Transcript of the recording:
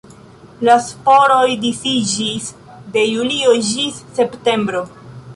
La sporoj disiĝis de julio ĝis septembro.